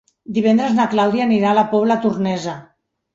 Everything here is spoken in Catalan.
Divendres na Clàudia anirà a la Pobla Tornesa.